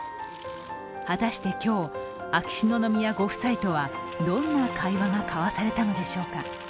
果たして今日、秋篠宮ご夫妻とはどんな会話が交わされたのでしょうか。